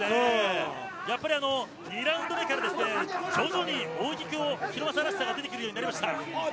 やっぱり、２ラウンド目から徐々に扇久保らしさが出てくるようになりました。